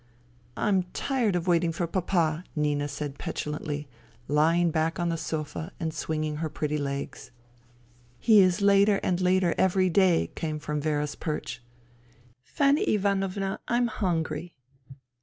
" I'm tired of waiting for Papa," Nina said petulantly, lying back on the sofa and swinging her pretty legs. " He is later and later every day," came from Vera's perch. " Fanny Ivanovna, I'm hungry."